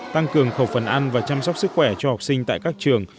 tăng cường khẩu phần ăn và chăm sóc sức khỏe cho học sinh tại các trường